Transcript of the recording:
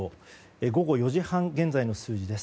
午後４時半現在の数字です。